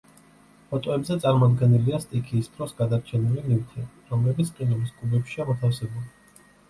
ფოტოებზე წარმოდგენილია სტიქიის დროს გადარჩენილი ნივთები, რომლებიც ყინულის კუბებშია მოთავსებული.